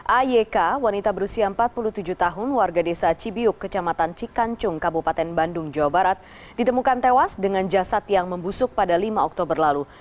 ayk wanita berusia empat puluh tujuh tahun warga desa cibiuk kecamatan cikancung kabupaten bandung jawa barat ditemukan tewas dengan jasad yang membusuk pada lima oktober lalu